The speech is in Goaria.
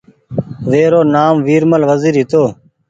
وي رو نآم ورمل وزير هيتو